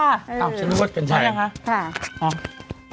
อ้าวด้วยลดกันใช่ไหมคะใช่นะคะ